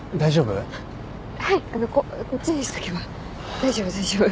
大丈夫大丈夫。